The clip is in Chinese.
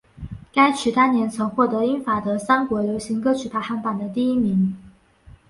该曲当年曾获得英法德三国流行歌曲排行榜的第一名。